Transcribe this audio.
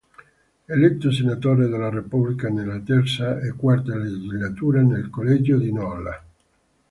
Eletto Senatore della Repubblica nella terza e quarta legislatura nel collegio di Nola.